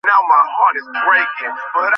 তো আপনার স্বামী ভারত লাল মারা গেছে।